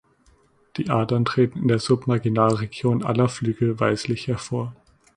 Die Adern treten in der Submarginalregion aller Flügel weißlich hervor.